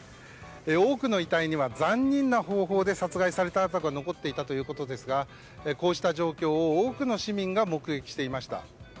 多くの遺体には残忍な方法で殺害された痕が残っていたということですがこうした状況を多くの市民が目撃していました。